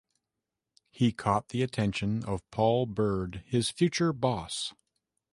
He caught the attention of Paul Bird, his future boss.